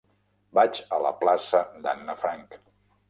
Vaig a la plaça d'Anna Frank.